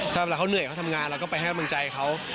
ถ้าเวลาเขาเหนื่อยเขาทำงานเราก็ไปให้กำลังใจเขา